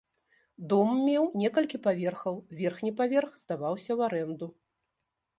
Дом меў некалькі паверхаў, верхні паверх здаваўся ў арэнду.